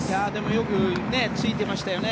よくついてましたよね。